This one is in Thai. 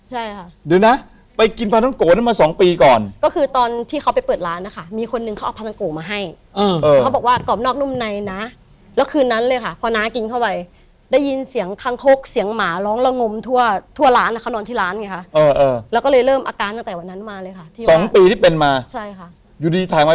ใช่ค่ะเดี๋ยวนะไปกินพาน้องโกะนั้นมาสองปีก่อนก็คือตอนที่เขาไปเปิดร้านนะคะมีคนนึงเขาเอาพาน้องโกะมาให้เออเขาบอกว่ากรอบนอกนุ่มในนะแล้วคืนนั้นเลยค่ะพอน้ากินเข้าไปได้ยินเสียงคังคกเสียงหมาร้องละงมทั่วทั่วร้านอ่ะเขานอนที่ร้านไงคะแล้วก็เลยเริ่มอาการตั้งแต่วันนั้นมาเลยค่ะที่สองปีที่เป็นมาใช่ค่ะอยู่ดีถ่ายมา